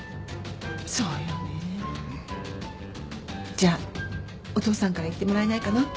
じゃあお父さんから言ってもらえないかな。